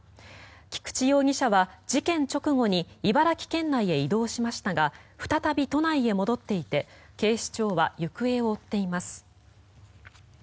菊池容疑者は事件直後に茨城県内へ移動しましたが再び都内へ戻っていて警視庁は行方を追っています。